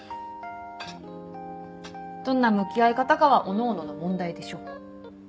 どんな向き合い方かはおのおのの問題でしょ。